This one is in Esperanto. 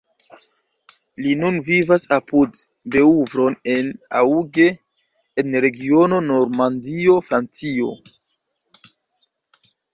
Li nun vivas apud Beuvron-en-Auge, en regiono Normandio, Francio.